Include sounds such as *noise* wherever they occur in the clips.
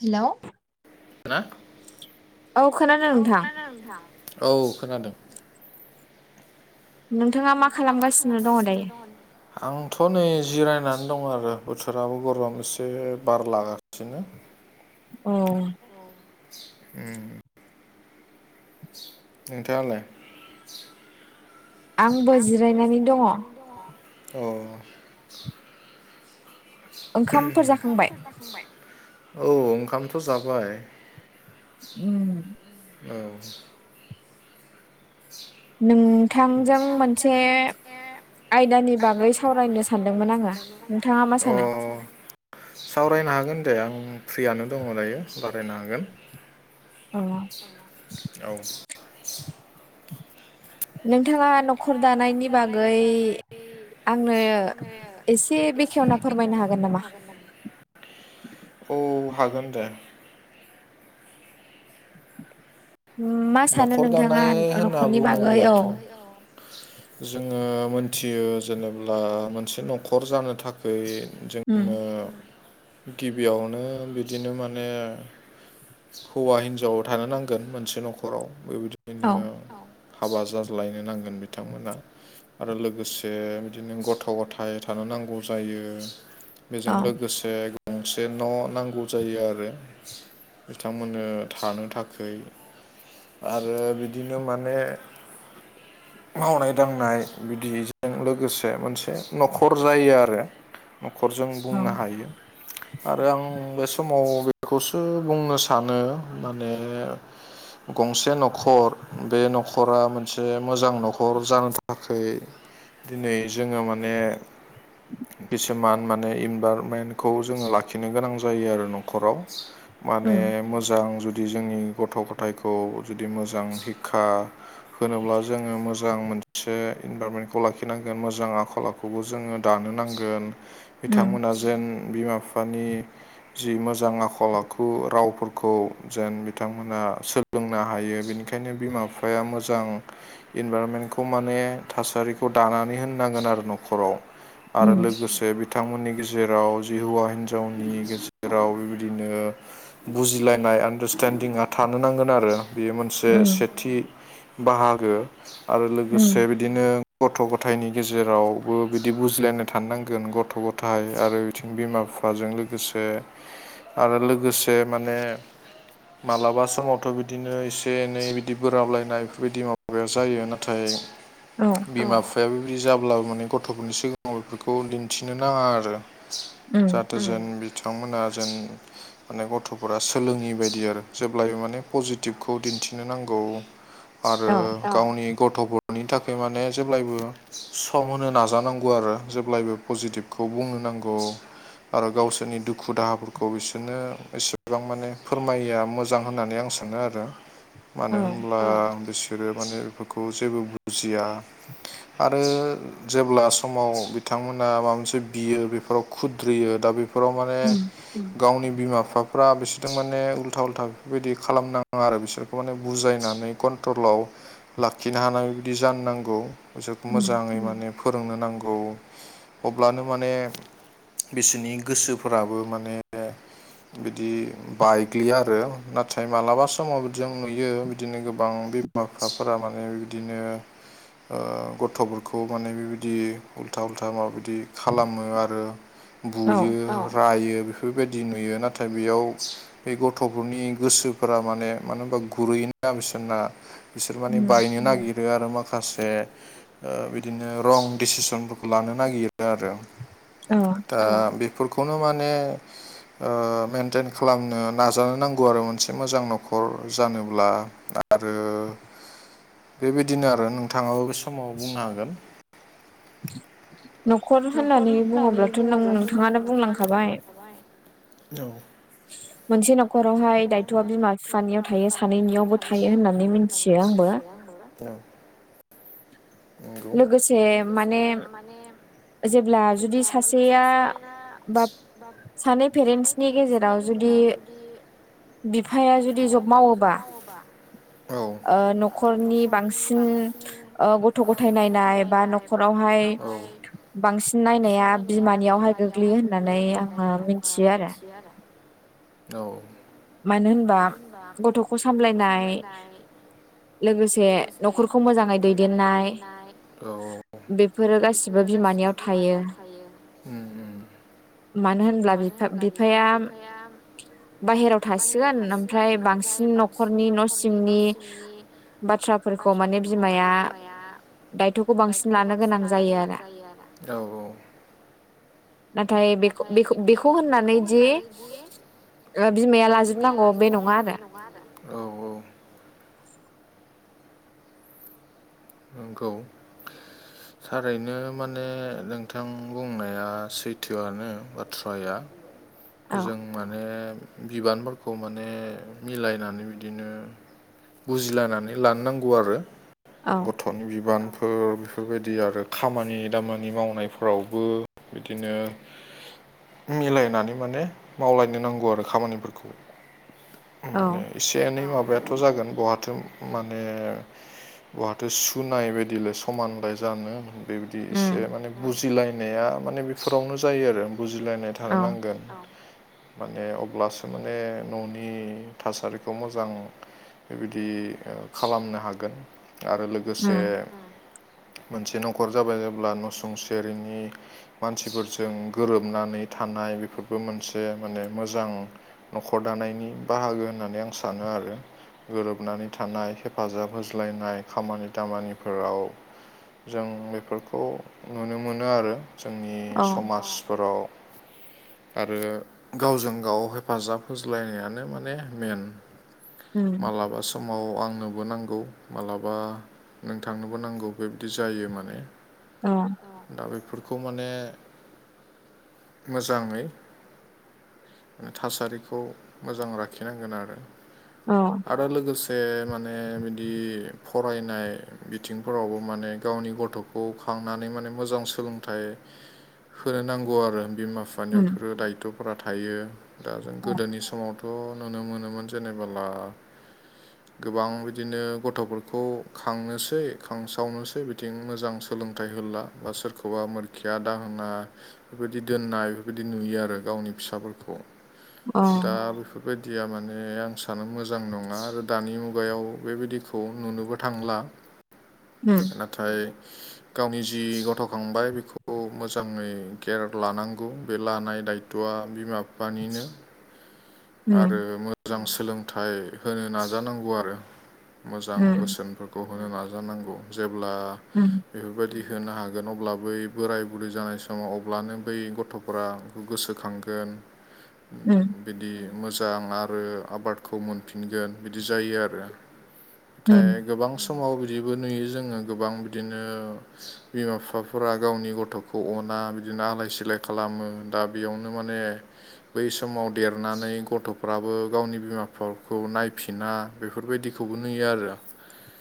हेल' औ ख नथां औ खोनादों नोंथाङा मा खालामगासिनो दङ दायो। आंथ' नै जिरायनानै दं आरो बोथोराबो गरबा एसे बार लागा बिसिनो औ। *inaudible* नोंथाङालाय आंबो जिरायनानै दङ अ औ ओंखामथ' जाबाय उम औ *inaudible* नोंथांजों मोनसे आयदानि बागै सायनो सानबायमोन आङो अ सावरायनो हागोन दे आं फ्रियानो दङ दायो बारायनो हागोन अ औ नोंथाङा न'खर दानायनि बागै आंनो एसे बेखेवना फोरमायनो हागोन नामा अ हागोन दे मा सानो नोंथाङा न'खरनि बागै औ जोङो मोनथियो जेनेब्ला मोनसे न'खर जानो थाखाय जों उम ओ गिबियावनो बिदिनो माने हौवा हिनजाव थानो नांगोन मोनसे न'खराव बेबायदिनो हाबा जाज्लायनो नांगोन बिथांमोना आरो लोगोसे बिदिनो गथ' गथाय थानो नांगौ जायो बेजों लोगोसे गंसे न' नांगौ जायो आरो बिथांमोननो थानो थाखोय आरो बिदिनो मान बे *inaudible* मावनाय दांनाय बिदिजों लोगोसे मोनसे न'खर जायो आरो न'खरजों बुंनो हायो आरो आं बे समाव बेखौसो बुंनो सानो माने गंसे न'खर बे न'खरा मोनसे मोजां न'खर जानो थाखाय दिनै जोङो माने *inaudible* किसुमान माने इनभाररमेन्टखौ जोङो लाखिनो गोनां जायो आरो न'खराव माने मोजां जुदि जोंनि गथ' गथायखौ जुदि मोजां हिक्षा होनोब्ला जोङो मोजां मोनसे इनभाररमेन्टखौ लाखिनांगोन मोजां आखल आ खौबो जोङो दानो नांगोन बिथांमोना जेन बिमा बिफानि जि मोजां आखल आखु रावफोरखौ जेन बिथांमोना सोलोंनो हायो बेनिखायनो बिमा बिफाया मोजां इनभारनमेन्टखौ माने थासारिखौ दानानै होननांगोन आरो न'खराव आरो लोगोस जे बिथांमोननि गेजेराव जि हौवा हिनजावनि गेजेराव बेबायदिनो बुजिलायनाय आडारस्टेडिंआ थानो नांगोन आरो बेयो मोनसे सेथि बाहागो आरो लोगोसे बिदि बिदिनो गथ' गथायनि गेजेरावबो बिदि बुजिलायनो थानांगोन गथ' गथाया आरो बि बिमा बिफाजों लोगोसे आरो लोगोसे माने माब्लाबा समावथ' बिदिनो एसे एनै बिदि बोराबलायनाय बेफोरबायदि माबाया जायो नाथाय औ बिमा बिफाया बेबायदि जाब्लाबो माने गथ'फोरनि सिगाङाव बेफोरखौ दिन्थिनो नाङा आरो औ। जेन बिथांमोना जेन माने गथ'फोरा सोलोङि बायदि आरो जेब्लायबो माने पजिटिभखौ दिन्थिनो नांगौ। नांगौ आरो गावनि गथ'फोरनि थाखाय माने जेब्लायबो सम होनो नाजानांगौ आरो जेब्लायबो पजिटिभ खौ बुंनो नांगौ। आरो गावसोरनि दुखु दाहाफोरखौ बिसोरनो एसेबां माने फोरमायोया मोजां होननानै आं सानो। सानो आरो मानो होनब्ला बिसोरो माने बेफोरखौ जेबो बुजिया आरो जेब्ला समाव बिथांमोना माबा मोनसे बियो बेफोराव खुद्रियो दा बे फोराव माने गावनि बिमा बिफाफ्रा बिसोरजों माने उल्था उल्था बेफोरबायदि खालामनााङा आरो बिसोरखौ माने बुजायनानै कन्ट्रलाव लाखिनो हानाय बिदि जानो नांगौ। बिसोरखौ मोजाङै माने फोरोंनो नांगौ। अब्लानो माने बिसोरनि गोसोफोराबो माने बिदि बायग्लिया आरो नाथाय मालाबा समाव बि जों नुयो बिदिनो गोबां बेमारफफोरा माने बिदिनो गथ'फोरखौ माने बेबायदि उल्था उल्था माबाबायदि खालामो आरो बुयो। रायो बेफोरबायदि नुयो नाथाय बेयाव बे गथ'फोरनि गोसोफोरा माने मानो होनबा गुरै ना बिसोरना बिसोर माने बायनो नागिर आरो माखासे बिदिनो रं डिसिसनफोरखौ लानो नागिरो आरो अ। दा बेफोरखौनो माने मेनटेन खालामनो नाजानो नांगौ आरो मोनसे मोजां न'खर न'खर जानोब्ला आरो बेबायदिनो आरो नोंथाङाबो बे समाव बुंनो हागोन। न'खर होननानै बुङोब्लाथ' नों नोंथाङानो बुंलांखाबाय औ। *inaudible* मोनसे न'खरावहाय दायथ'आ बिमा बिफानियाव थायो सानैनियावबो थायो होननानै मिथियो आंबो नंगौ माने जेब्ला जुदि सासेया बा सानै पेरेन्टस नि गेजेराव जुदि बिफाया जुदि जब मावोबा न'खरनि बांसिन गथ' ग फोथायनायनाय बा न'खरावहाय बांसिन नायनाया बिमानियावहाय गोग्लैयो होननानै आङो मिथियो आरो। औ‌ मानो होनबा गथ'खौ सामलायनाय लोगोसे न'खरखौ मोजाङै दैदेननाय बेफोरो गासिबो बिमानियाव बिमानियाव थायो। मानो होनब्ला बिफाया बाहेराव बाहेरायाव थासिगोन ओमफ्राय बांसिन न'खरनि न'सिंनि बाथ्राफोरखौ माने बिमाया दायथ'खौ बांसिन लानो गोनां जायो आरो। औ। नाथाय बेखौ- बेखौ- बेखौ होननानै जे बिमाया लाजोबनांगौ बे नङा आरो औ औ। नोंगौ। थारैनो माने नोंथां बुंनाया सैथोआनो बाथ्राया *inaudible* जों माने बिबानफोरखौ माने मिलायनानै बिदिनो बुजिलायनानै लानो नांगौ आरो गथ'नि बिबानफोर बेफोरबायदि आरो खामानि दामानि मावनायफोरावबो बिदिनो मिलायनानै माने मावलायनो नांगौ आरो खामानिफोरखौ माने एसे एनै माबायाथ जागोन बहाथो माने बहाथो सुनाय बायदिलाय समानलाय जानो बेबायदि एसे माने बुजिलायनाया माने बेफोरावनो जायो आरो बुजिलायनाय थानो नांगोन माने अब्लासो माने न'नि थासारिखौ मोजां बेबायदि खालामनो हागोन आरो लोगोसे मोनसे न'खर जाबाय जेब्ला नसुं सेरनि मानसिफोरजों गोरोबनानै थानाय बेफोरबो मोनसे माने मोजां न'खर दानायनि बाहागो होननानै आं सानो आरो गोरोबनानै थानाय हेफाजाब होज्लायनाय खामानि दामानिफोराव जों बेफोरखौ नुनो मोनो आरो जोंनि समाजफोराव आरो गावजों गाव हेफाजाब होज्लायनायानो माने मेन मालाबा समाव आंनोबो नांगौ मालाबा बा नोंथांनोबो नांगौ बेबायदि जायो माने अ दा बेफोरखौ माने मोजाङै थासारिखौ मोजां राखिनांगोन आरो औ आरो लोगोसे माने बिदि फरायनाय बिथिंफोरावबो माने गावनि गथ'खौ खांनानै माने मोजां सोलोंथाइ होनो नांगौ आरो बिमा बिफा मानियाव बेफोरो दायथफोरा थायो दा जों गोदोनि समावथ नुनो मोनोमोन जेनेबोला गोबां बिदिनो गथ'फोरखौ खौ खांनोसै खांसावनोसै बिथिं मोजां सोलोंथाइ होला बा सोरखौबा मोरखिया दाहोना बेफोरबायदि दोननाय बेफोरबायदि नुयो आरो गावनि फिसाफोरखौ दा बेफोर बेबायदिया माने आं सानो मोजां नङा आरो दानि मुगायाव बेबायदिखौ नुनोबो थांला नाथाय गावनि जि गथ'खांबाय बेखौ खौ मोजाङै केयार लानांगौ बे लानाय दायथआ बिमा बिफानिनो *inaudible* आरो मोजां सोलोंथाइ होनो नाजानांगौ आरो मोजां बोसोनफोरखौ होनो नाजानांगौ जेब्ला उम बेफोरबायदि होनो हागोन अब्ला बै बोराय बुरै जानाय समाव अब्लानो बै गथ'फोरा गोसोखांगोन उम बिदि मोजां आरो आबादखौ मोनफिनगोन बिदि जायो आरो नाथाय गोबां समाव बिदिबो नुयो जोङो गोबां बिदिनो बिमा बिफाफोरा गावनि गथ'खौ अना बिदिनो आलाय सिलाय खालामो दा बेयावनो माने बै समाव देरनानै गथ'फ्राबो गावनि बिमा बिफाखौ नायफिना बेफोरबायदिखौबो नुयो आरो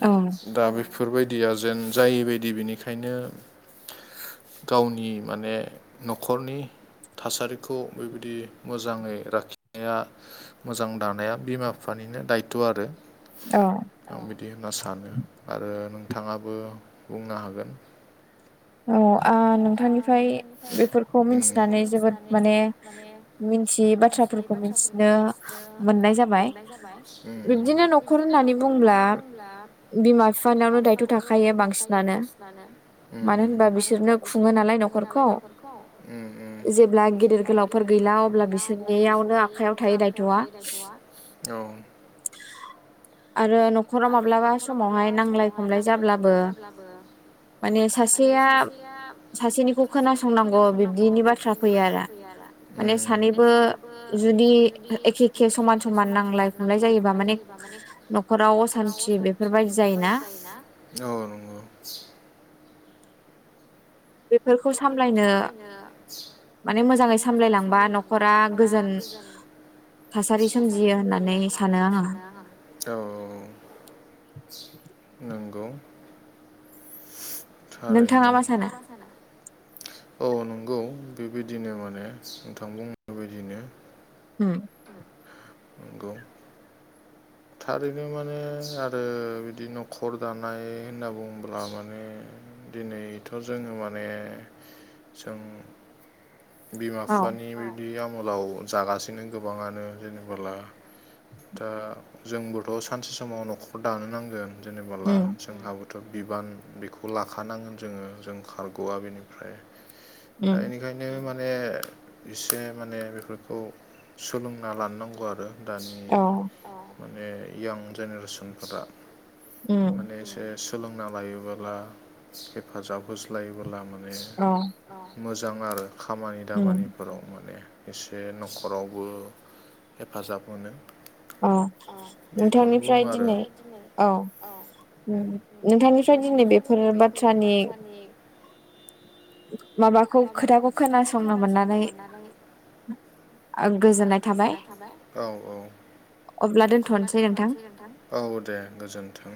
औ दा बेफोरबायदिया जेन जायै बायदि बेनिखायनो गावनि माने न'खरनि थासारिखौ बेबायदि मोजाङै लाखिनाया मोजां दानाया बिमा बिफानिनो दायथ' आरो अ आं बिदि होनना सानो आरो नोंथाङाबो बुंनो हागोन औ आ नोंथांनिफ्राय बेफोरखौ मिथिनानै जोबोद माने मिथियै बाथ्राफोरखौ मिथिनो मोननाय जाबाय बिब्दिनो न'खर होननानै बुंब्ला बिमा बिफानिवावनो दायथ' थाखायो बांसिनानो होनब्लानो मानो होनबा बिसोरनो सुङो नालाय न'खरखौ जेब्ला गिदिर गोलावफोर गैला अब्ला बिसोरनियावनो आखायाव थायो दायथ'आ आरो न'खराव माब्लाबा समावहाय नांलाय खमलाय जाब्लाबो माने माने सासेया सासेनिखौ खोनासंनांगौ बिब्दिनि बाथ्रा फैया आरो माने सानैबो जुदि एखे एखे समान समान नांलाय खमलाय जायोबा माने न'खराव असान्थि बेफोरबायदि जायोना औ नंगौ बेफोरखौ सामलायनो माने मोजाङै सामलायलांबा न'खरा गोजोन थासारि सोमजियो होननानै सानो आङो औ नंगौ थारैनो नोंथाङा मा सानो? औ नंगौ बेबायदिनो माने नोंथां बुंनाय बायदिनो हम नंगौ *inaudible* थारैनो माने आरो बिदि न'खर दानाय होनना बुङोब्ला माने दिनैथ' जोङो माने जों बिमा बिफानि बे आमोलाव जागासिनो गोबाङानो जेनेबोला दा जोंबोथ' सानसे समाव न'खर दानो नांगोन जेनेबाला जोंहाबोथ' बिबान बेखौ लाखानांगोन जोङो जों खारग'वआ बेनि ओमफ्राय दा बेखायनो माने एसे माने बेफोरखौ सोलोंना लानो नांगौ आरो दानि माने यां जेनेरेसनफोरा उम माने एसे सोलोंना लायोबोला हेफाजाब होज्लायोबोला माने औ मोजां आरो खामानि दामानिफोराव माने एसे न'खरावबो हेफाजाब मोनो औ नोंथांनिफ्राय दिनै औ नोंथांनिफ्राय दिनै बेफोर बाथ्रानि माबाखौ खोथाखौ खोनासंनो मोननानै ओ गोजोननाय थाबाय औ औ अब्ला दोनथ'नोसै नोंथां औ दे गोजोन्थों